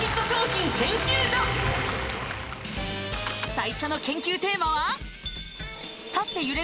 最初の研究テーマは？